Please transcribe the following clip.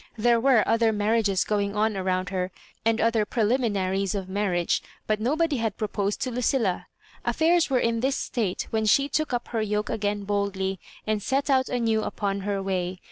There were other mar riages going on around her, and other prelimina ries of marriage, but nobody had proposed to LucUlfL Affairs were in this state when she took up her yoke again boldly, and set out anew upon her way.